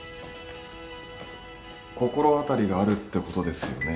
心当たりがあるってことですよね